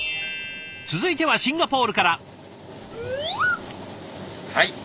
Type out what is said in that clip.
続いてはシンガポールから。